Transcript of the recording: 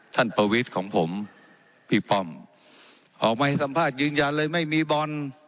ประวิทย์ของผมพี่ป้อมออกมาให้สัมภาษณ์ยืนยันเลยไม่มีบอล